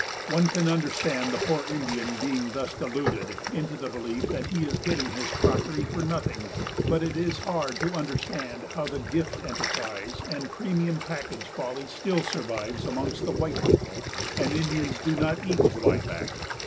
One can understand the poor Indian being thus deluded into the belief that he is getting his crockery for nothing, but it is hard to understand how the "gift enterprise" and "premium package" folly still survives amongst white people and Indians do not eat zwieback.